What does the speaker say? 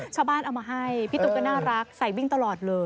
ชาวบ้านเอามาให้พี่ตุ๊กก็น่ารักใส่วิ่งตลอดเลย